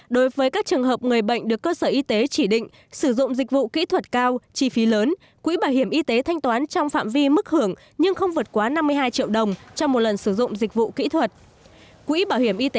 đối với các trường hợp người bệnh được cơ sở y tế chỉ định sử dụng dịch vụ kỹ thuật cao chi phí lớn quỹ bảo hiểm y tế thanh toán trong phạm vi mức hưởng nhưng không vượt quá năm mươi hai triệu đồng trong một lần sử dụng dịch vụ kỹ thuật